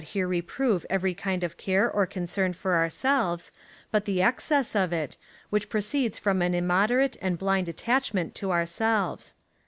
here reprove every kind of care or concern for ourselves, but the excess of it, which proceeds from an immoderate and blind attachment to ourselves.